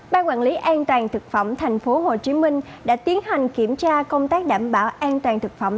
ban quản lý an toàn thực phẩm thành phố hồ chí minh đã tiến hành kiểm tra công tác đảm bảo an toàn thực phẩm